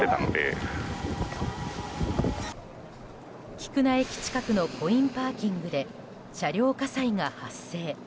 菊名駅近くのコインパーキングで車両火災が発生。